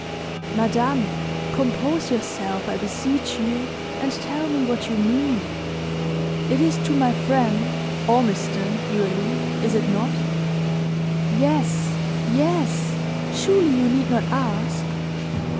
"Madame, compose yourself, I beseech you, and tell me what you mean. It is to my friend, Ormiston, you allude is it not?" "Yes yes! surely you need not ask."